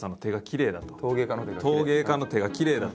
陶芸家の手がきれいだと。